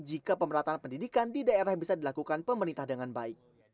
jika pemerataan pendidikan di daerah bisa dilakukan pemerintah dengan baik